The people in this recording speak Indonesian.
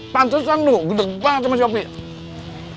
pantesan lu gede banget sama copen